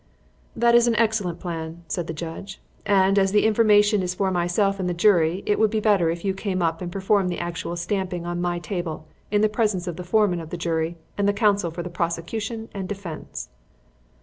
"That is an excellent plan," said the judge; "and, as the information is for myself and the jury, it would be better if you came up and performed the actual stamping on my table in the presence of the foreman of the jury and the counsel for the prosecution and defence."